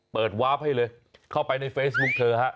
วาฟให้เลยเข้าไปในเฟซบุ๊คเธอฮะ